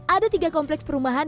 ada tiga kompleks perumahan